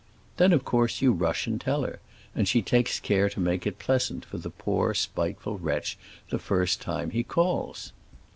Then of course you rush and tell her, and she takes care to make it pleasant for the poor spiteful wretch the first time he calls.